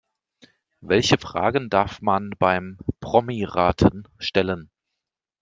Welche Fragen darf man beim Promiraten stellen?